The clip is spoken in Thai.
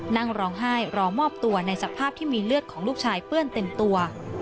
นั่งร้องไห้รอมอบตัวในสภาพที่มีเลือดของลูกชายเปื้อนเต็มตัว